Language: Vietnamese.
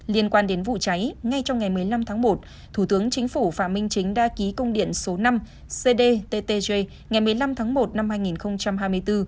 liên quan đến vụ cháy ngay trong ngày một mươi năm tháng một thủ tướng chính phủ phạm minh chính đã ký công điện số năm cdttj ngày một mươi năm tháng một năm hai nghìn hai mươi bốn